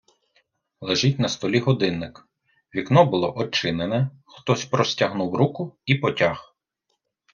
Лежить на столі годинник, вікно було одчинене, хтось простягнув руку і потяг.